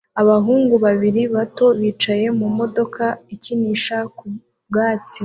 Abahungu babiri bato bicaye mu modoka ikinisha ku byatsi